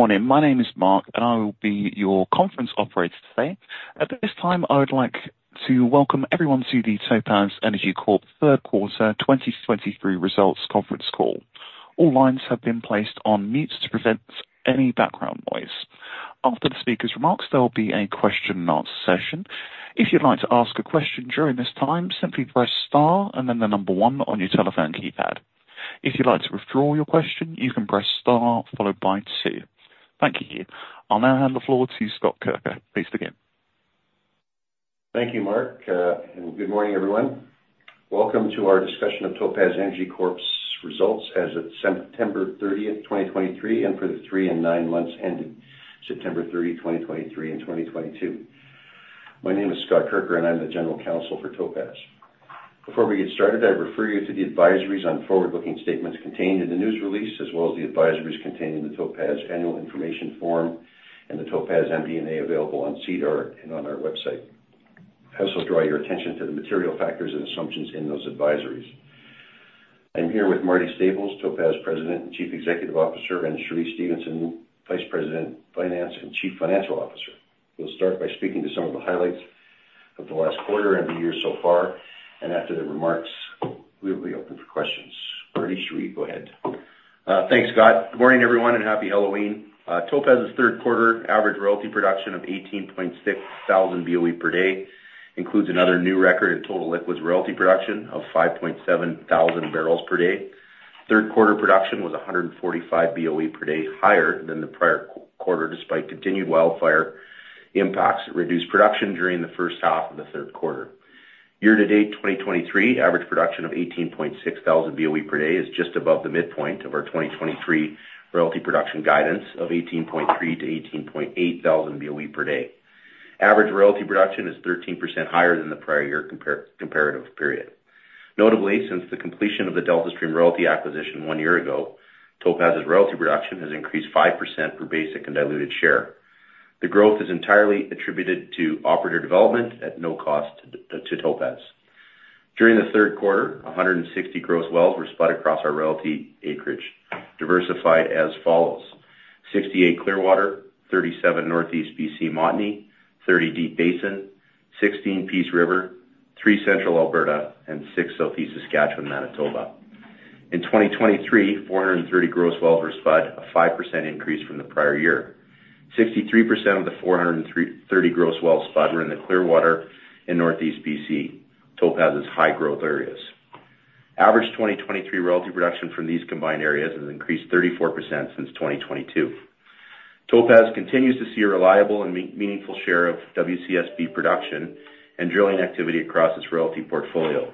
Morning, my name is Mark, and I will be your conference operator today. At this time, I would like to welcome everyone to the Topaz Energy Corp third quarter 2023 results conference call. All lines have been placed on mute to prevent any background noise. After the speaker's remarks, there will be a question and answer session. If you'd like to ask a question during this time, simply press star and then the number 1 on your telephone keypad. If you'd like to withdraw your question, you can press star followed by 2. Thank you. I'll now hand the floor to Scott Kirker. Please begin. Thank you, Mark, and good morning, everyone. Welcome to our discussion of Topaz Energy Corp's results as of September 30, 2023, and for the three and nine months ending September 30, 2023 and 2022. My name is Scott Kirker, and I'm the General Counsel for Topaz. Before we get started, I refer you to the advisories on forward-looking statements contained in the news release, as well as the advisories contained in the Topaz Annual Information Form and the Topaz MD&A available on SEDAR and on our website. I also draw your attention to the material factors and assumptions in those advisories. I'm here with Marty Staples, Topaz President and Chief Executive Officer, and Cheree Stephenson, Vice President, Finance and Chief Financial Officer. We'll start by speaking to some of the highlights of the last quarter and the year so far, and after the remarks, we will be open for questions. Marty, Cheree, go ahead. Thanks, Scott. Good morning, everyone, and Happy Halloween. Topaz's third quarter average royalty production of 18.6 thousand BOE per day includes another new record in total liquids royalty production of 5.7 thousand barrels per day. Third quarter production was 145 BOE per day, higher than the prior quarter, despite continued wildfire impacts that reduced production during the first half of the third quarter. Year to date, 2023, average production of 18.6 thousand BOE per day is just above the midpoint of our 2023 royalty production guidance of 18.3 thousand-18.8 thousand BOE per day. Average royalty production is 13% higher than the prior year comparative period. Notably, since the completion of the Delta Stream royalty acquisition one year ago, Topaz's royalty production has increased 5% for basic and diluted share. The growth is entirely attributed to operator development at no cost to Topaz. During the third quarter, 160 gross wells were spud across our royalty acreage, diversified as follows: 68 Clearwater, 37 Northeast BC Montney, 30 Deep Basin, 16 Peace River, three Central Alberta, and six Southeast Saskatchewan, Manitoba. In 2023, 430 gross wells were spud, a 5% increase from the prior year. 63% of the 430 gross wells spud were in the Clearwater and Northeast BC, Topaz's high-growth areas. Average 2023 royalty production from these combined areas has increased 34% since 2022. Topaz continues to see a reliable and meaningful share of WCSB production and drilling activity across its royalty portfolio.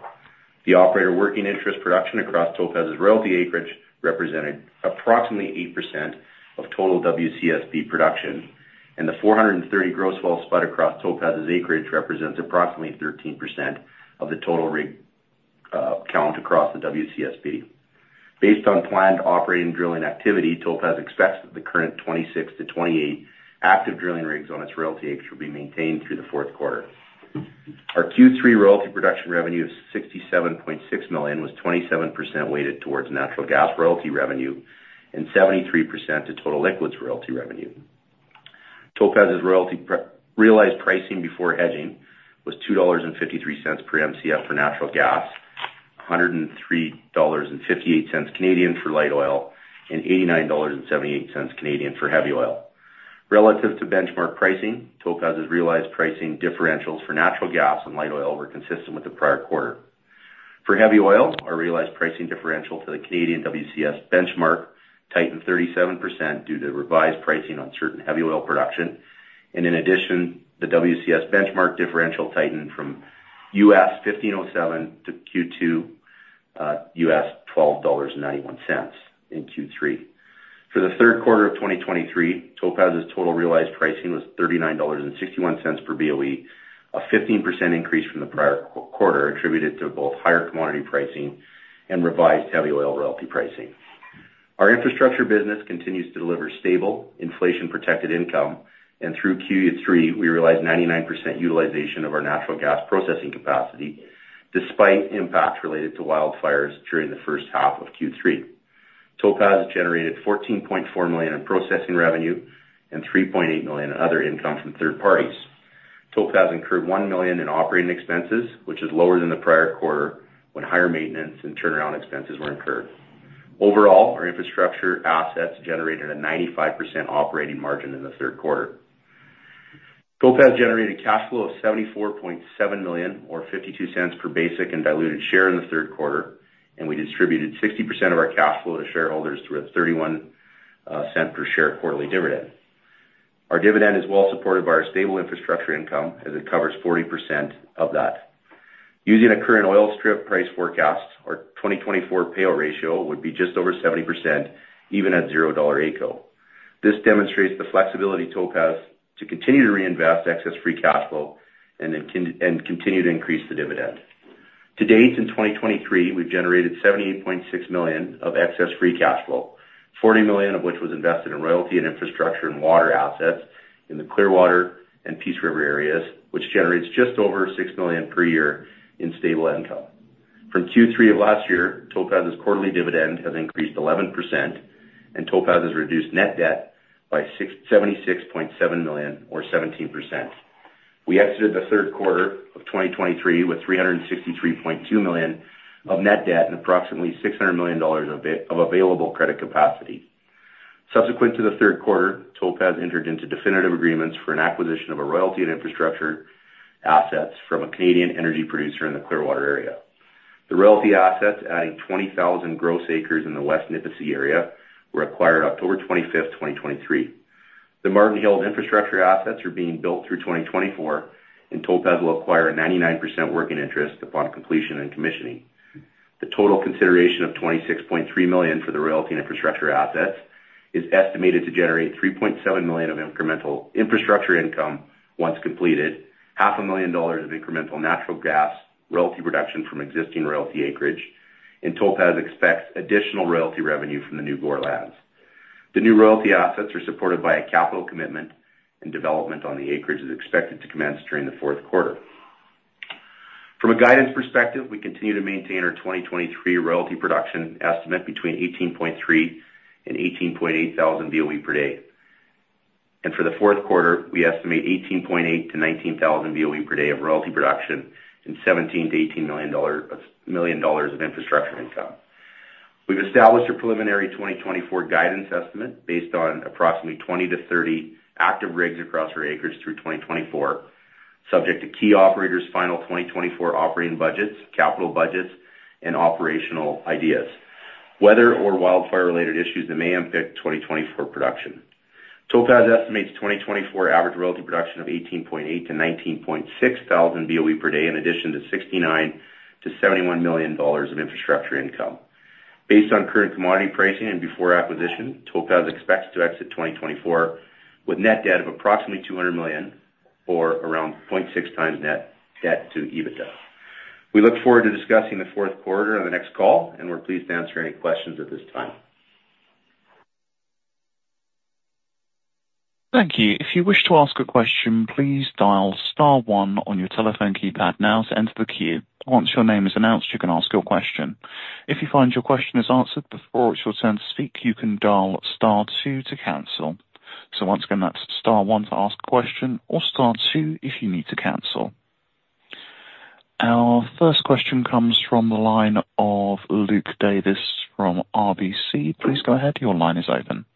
The operator working interest production across Topaz's royalty acreage represented approximately 8% of total WCSB production, and the 430 gross well spud across Topaz's acreage represents approximately 13% of the total rig count across the WCSB. Based on planned operating and drilling activity, Topaz expects that the current 26-28 active drilling rigs on its royalty acreage will be maintained through the fourth quarter. Our Q3 royalty production revenue of 67.6 million was 27% weighted towards natural gas royalty revenue and 73% to total liquids royalty revenue. Topaz's royalty pre-realized pricing before hedging was 2.53 dollars per Mcf for natural gas, 103.58 Canadian dollars for light oil, and 89.78 Canadian dollars for heavy oil. Relative to benchmark pricing, Topaz's realized pricing differentials for natural gas and light oil were consistent with the prior quarter. For heavy oil, our realized pricing differential to the Canadian WCS benchmark tightened 37% due to revised pricing on certain heavy oil production, and in addition, the WCS benchmark differential tightened from $15.07 to Q2, $12.91 in Q3. For the third quarter of 2023, Topaz's total realized pricing was 39.61 dollars per BOE, a 15% increase from the prior quarter, attributed to both higher commodity pricing and revised heavy oil royalty pricing. Our infrastructure business continues to deliver stable, inflation-protected income, and through Q3, we realized 99% utilization of our natural gas processing capacity, despite impacts related to wildfires during the first half of Q3. Topaz generated 14.4 million in processing revenue and 3.8 million in other income from third parties. Topaz incurred 1 million in operating expenses, which is lower than the prior quarter, when higher maintenance and turnaround expenses were incurred. Overall, our infrastructure assets generated a 95% operating margin in the third quarter. Topaz generated cash flow of 74.7 million, or 0.52 per basic and diluted share in the third quarter, and we distributed 60% of our cash flow to shareholders through a 0.31 per share quarterly dividend. Our dividend is well supported by our stable infrastructure income, as it covers 40% of that. Using a current oil strip price forecast, our 2024 payout ratio would be just over 70%, even at 0 dollar AECO. This demonstrates the flexibility Topaz to continue to reinvest excess free cash flow and then and continue to increase the dividend. To date, in 2023, we've generated 78.6 million of excess free cash flow, 40 million of which was invested in royalty and infrastructure and water assets in the Clearwater and Peace River areas, which generates just over 6 million per year in stable income. From Q3 of last year, Topaz's quarterly dividend has increased 11%, and Topaz has reduced net debt by 76.7 million, or 17%. We exited the third quarter of 2023 with 363.2 million of net debt and approximately 600 million dollars of available credit capacity. Subsequent to the third quarter, Topaz entered into definitive agreements for an acquisition of a royalty and infrastructure assets from a Canadian energy producer in the Clearwater area. The royalty assets, adding 20,000 gross acres in the West Nipisi area, were acquired October 25, 2023. The Marten Hills infrastructure assets are being built through 2024, and Topaz will acquire a 99% working interest upon completion and commissioning. The total consideration of 26.3 million for the royalty and infrastructure assets is estimated to generate 3.7 million of incremental infrastructure income once completed, 500,000 dollars of incremental natural gas royalty production from existing royalty acreage, and Topaz expects additional royalty revenue from the new GORR lands. The new royalty assets are supported by a capital commitment, and development on the acreage is expected to commence during the fourth quarter. From a guidance perspective, we continue to maintain our 2023 royalty production estimate between 18.3 thousand and 18.8 thousand BOE per day. For the fourth quarter, we estimate 18.8 thousand-19 thousand BOE per day of royalty production and 17 million-18 million dollars of infrastructure income. We've established a preliminary 2024 guidance estimate based on approximately 20-30 active rigs across our acres through 2024, subject to key operators' final 2024 operating budgets, capital budgets, and operational ideas, weather or wildfire-related issues that may impact 2024 production. Topaz estimates 2024 average royalty production of 18.8 thousand-19.6 thousand BOE per day, in addition to 69 million-71 million dollars of infrastructure income. Based on current commodity pricing and before acquisition, Topaz expects to exit 2024 with net debt of approximately 200 million, or around 0.6x net debt to EBITDA. We look forward to discussing the fourth quarter on the next call, and we're pleased to answer any questions at this time. Thank you. If you wish to ask a question, please dial star one on your telephone keypad now to enter the queue. Once your name is announced, you can ask your question. If you find your question is answered before it's your turn to speak, you can dial star two to cancel. So once again, that's star one to ask a question or star two if you need to cancel. Our first question comes from the line of Luke Davis from RBC. Please go ahead. Your line is open.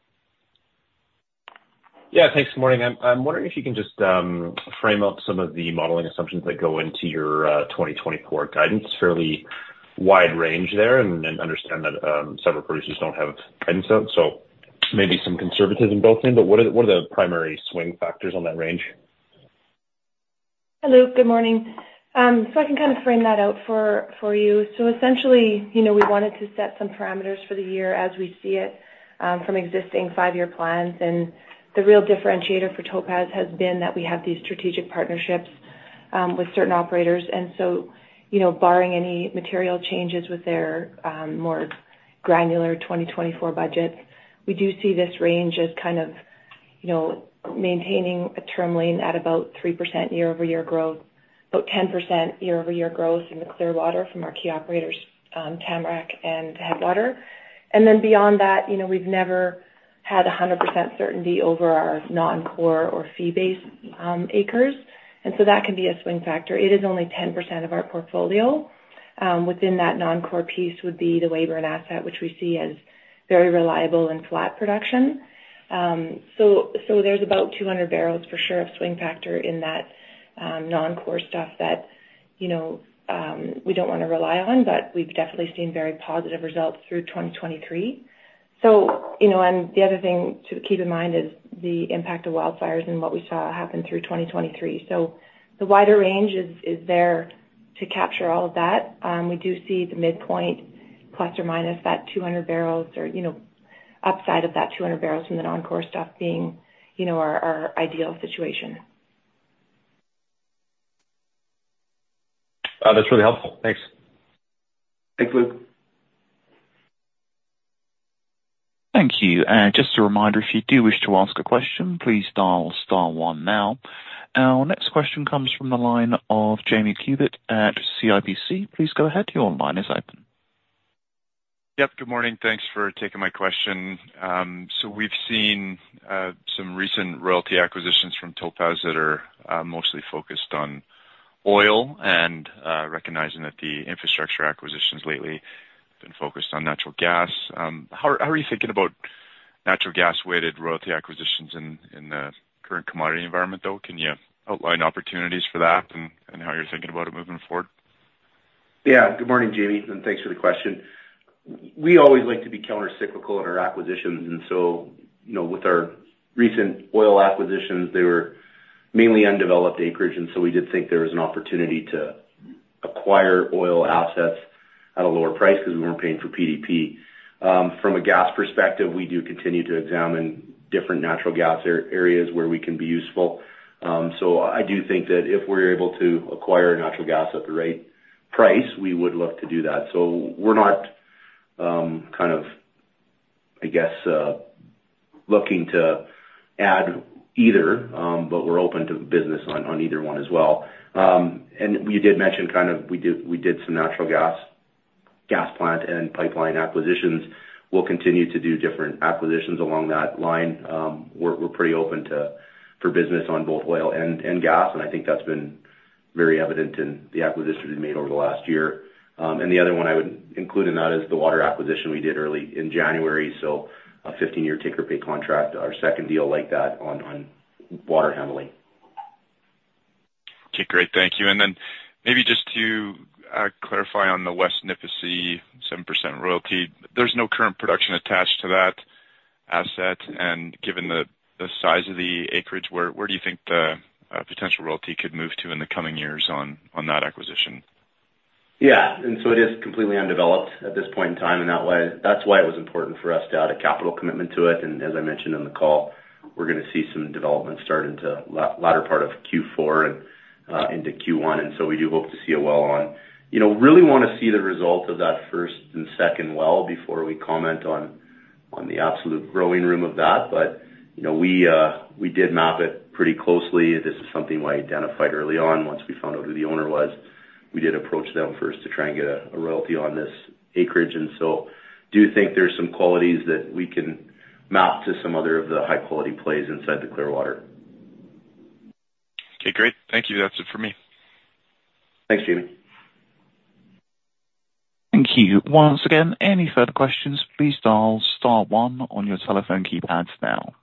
Yeah, thanks. Good morning. I'm wondering if you can just frame up some of the modeling assumptions that go into your 2024 guidance. Fairly wide range there, and then understand that several producers don't have guidance out, so maybe some conservatism built in, but what are the primary swing factors on that range? Hello, good morning. So I can kind of frame that out for you. So essentially, you know, we wanted to set some parameters for the year as we see it, from existing five-year plans. And the real differentiator for Topaz has been that we have these strategic partnerships, with certain operators. And so, you know, barring any material changes with their more granular 2024 budgets, we do see this range as kind of, you know, maintaining a term lane at about 3% year-over-year growth, about 10% year-over-year growth in the Clearwater from our key operators, Tamarack and Headwater. And then beyond that, you know, we've never had 100% certainty over our non-core or fee-based, acres, and so that can be a swing factor. It is only 10% of our portfolio. Within that non-core piece would be the Weyburn asset, which we see as very reliable and flat production. So, there's about 200 barrels for sure of swing factor in that non-core stuff that, you know, we don't want to rely on, but we've definitely seen very positive results through 2023. So, you know, and the other thing to keep in mind is the impact of wildfires and what we saw happen through 2023. So the wider range is there to capture all of that. We do see the midpoint, plus or minus that 200 barrels or, you know, upside of that 200 barrels from the non-core stuff being, you know, our ideal situation. That's really helpful. Thanks. Thanks, Luke. Thank you. Just a reminder, if you do wish to ask a question, please dial star one now. Our next question comes from the line of Jamie Kubik at CIBC. Please go ahead. Your line is open. Yep. Good morning. Thanks for taking my question. So we've seen some recent royalty acquisitions from Topaz that are mostly focused on oil and recognizing that the infrastructure acquisitions lately have been focused on natural gas. How are you thinking about natural gas-weighted royalty acquisitions in the current commodity environment, though? Can you outline opportunities for that and how you're thinking about it moving forward? Yeah. Good morning, Jamie, and thanks for the question. We always like to be countercyclical in our acquisitions, and so, you know, with our recent oil acquisitions, they were mainly undeveloped acreage, and so we did think there was an opportunity to acquire oil assets at a lower price because we weren't paying for PDP. From a gas perspective, we do continue to examine different natural gas areas where we can be useful. So I do think that if we're able to acquire natural gas at the right price, we would look to do that. So we're not kind of, I guess, looking to add either, but we're open to business on either one as well. And you did mention kind of we did some natural gas gas plant and pipeline acquisitions. We'll continue to do different acquisitions along that line. We're pretty open to for business on both oil and gas, and I think that's been very evident in the acquisitions we made over the last year. And the other one I would include in that is the water acquisition we did early in January, so a 15-year take-or-pay contract, our second deal like that on water handling. Okay, great. Thank you. And then maybe just to clarify on the West Nipisi 7% royalty, there's no current production attached to that asset, and given the size of the acreage, where do you think the potential royalty could move to in the coming years on that acquisition? Yeah, and so it is completely undeveloped at this point in time, and that's why it was important for us to add a capital commitment to it. As I mentioned in the call, we're gonna see some development start into latter part of Q4 and into Q1, and so we do hope to see a well on. You know, really want to see the result of that first and second well before we comment on the absolute growing room of that. But, you know, we did map it pretty closely. This is something I identified early on. Once we found out who the owner was, we did approach them first to try and get a royalty on this acreage, and so do think there's some qualities that we can map to some other of the high-quality plays inside the Clearwater. Okay, great. Thank you. That's it for me. Thanks, Jamie. Thank you. Once again, any further questions, please dial star one on your telephone keypad now.